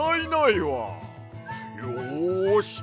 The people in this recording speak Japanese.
よし！